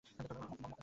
উহ, মখমল।